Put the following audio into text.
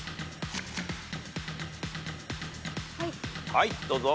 はいどうぞ。